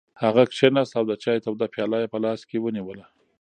هغه کېناست او د چای توده پیاله یې په لاس کې ونیوله.